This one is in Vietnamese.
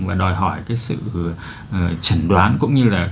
và đòi hỏi cái sự chẩn đoán cũng như là